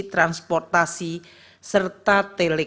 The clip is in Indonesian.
belanja pemerintah pusat yang berdaya guna